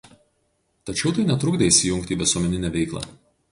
Tačiau tai netrukdė įsijungti į visuomeninė veiklą.